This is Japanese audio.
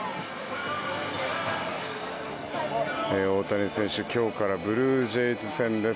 大谷選手、今日からブルージェイズ戦です。